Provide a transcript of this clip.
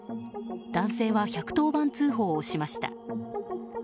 男性は１１０番通報をしました。